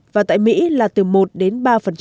và tại mỹ là từ một đến ba